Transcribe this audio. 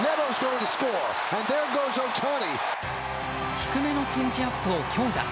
低めのチェンジアップを強打。